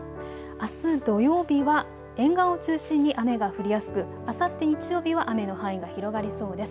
あす土曜日は沿岸を中心に雨が降りやすく、あさって日曜日は雨の範囲が広がりそうです。